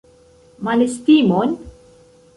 Malestimon?